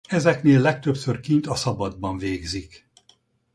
Ezeknél legtöbbször kint a szabadban végzik.